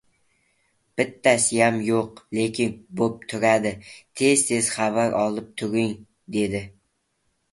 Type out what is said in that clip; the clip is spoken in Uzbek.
— bittasiyam yo‘q, lekin bo‘p turadi, tez-tez xabar olib turing, dedi.